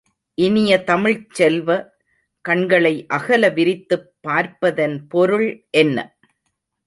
இனிய தமிழ்ச் செல்வ, கண்களை அகல விரித்துப் பார்ப்பதன் பொருள் என்ன?